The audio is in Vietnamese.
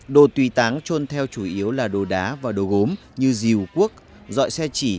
đồ tùy táng trôn theo chủ yếu là đồ đá và đồ gốm như dìu cuốc dọi xe chỉ